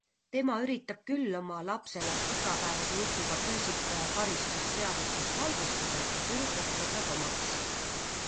Tema üritab küll oma lapselast igapäevase jutuga füüsika- ja karistusseadustest valgustada ja tüdruk ehk võtab omaks.